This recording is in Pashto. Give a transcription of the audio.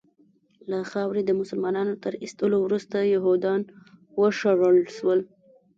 له خاورې د مسلمانانو تر ایستلو وروسته یهودیان وشړل سول.